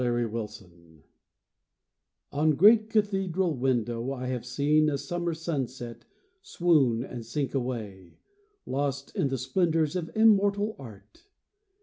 THE TWO AGES On great cathedral window I have seen A summer sunset swoon and sink away, Lost in the splendours of immortal art.